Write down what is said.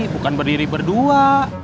bukan berdiri berdua